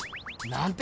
なんて